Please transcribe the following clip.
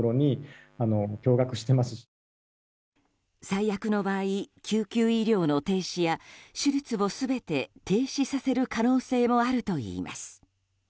最悪の場合、救急医療の停止や手術を全て停止させる可能性もあるといいます。